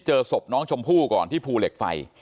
เจอศพน้องชมพู่ก่อนที่ภูเหล็กไฟ